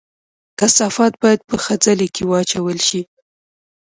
کثافات باید په خځلۍ کې واچول شي